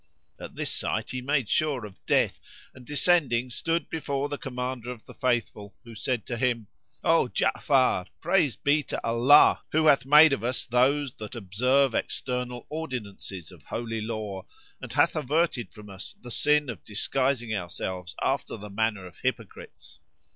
At this sight he made sure of death and, descending, stood before the Commander of the Faithful, who said to him, "O Ja'afar, praise be to Allah who hath made us of those that observe external ordinances of Holy Law and hath averted from us the sin of disguising ourselves after the manner of hypocrites!"